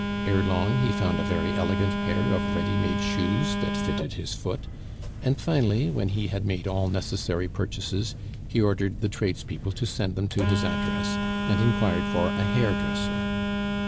Ere long he found a very elegant pair of ready made shoes that fitted his foot; and, finally, when he had made all necessary purchases, he ordered the tradespeople to send them to his address, and inquired for a hairdresser.